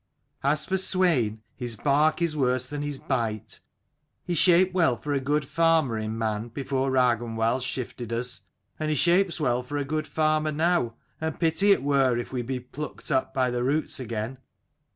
As for Swein, his bark is worse than his bite. He shaped well for a good farmer in Man before Ragnwald shifted us : and he shapes well for a good farmer now : and pity it were if we be plucked up by the roots again.